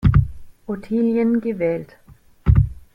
Ottilien gewählt.